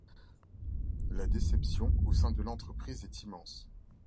La déception au sein de l'entreprise est immense.